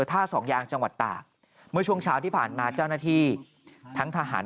ท่าสองยางจังหวัดตากเมื่อช่วงเช้าที่ผ่านมาเจ้าหน้าที่ทั้งทหาร